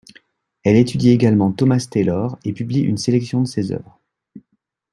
Elle étudie également Thomas Taylor et publie une sélection de ses œuvres.